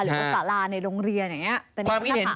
หรือสาราในโรงเรียนอย่างนี้